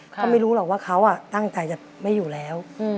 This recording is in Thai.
เขาไม่รู้หรอกว่าเขาตั้งใจจะไม่อยู่แล้ว